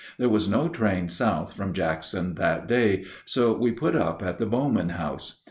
There was no train south from Jackson that day, so we put up at the Bowman House.